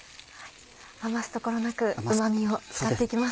余すところなくうま味を使って行きます。